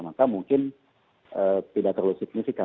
maka mungkin tidak terlalu signifikan